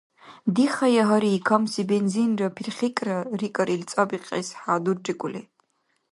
— Дихая гьари, камси бензинра пирхикӀра, — рикӀар ил цӀабикьес хӀядуррикӀули.